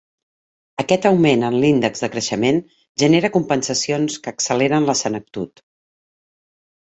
Aquest augment en l'índex de creixement genera compensacions que acceleren la senectut.